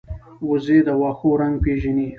وزې د واښو رنګ پېژني